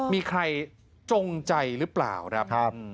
มีใครจงใจหรือเปล่าครับ